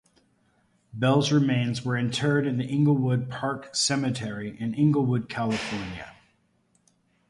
Bell's remains were interred in the Inglewood Park Cemetery in Inglewood, California.